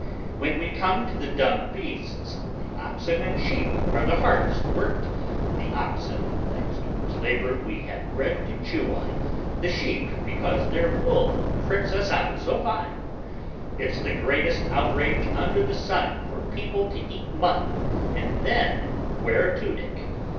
When we come to the dumb beasts, the oxen and sheep are the hardest worked, the oxen, thanks to whose labor we have bread to chew on, the sheep, because their wool tricks us out so fine. It's the greatest outrage under the sun for people to eat mutton and then wear a tunic.